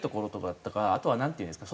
あとはなんていうんですか